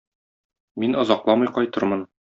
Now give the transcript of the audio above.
Мин озакламый кайтырмын...